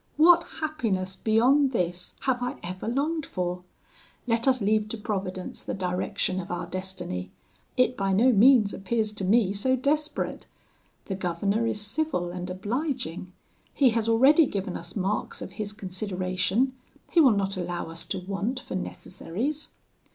What happiness beyond this have I ever longed for? Let us leave to Providence the direction of our destiny; it by no means appears to me so desperate. The governor is civil and obliging; he has already given us marks of his consideration; he will not allow us to want for necessaries.